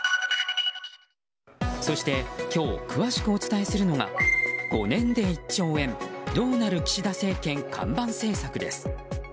そして今日詳しくお伝えするのが５年で１兆円どうなる岸田政権看板政策です。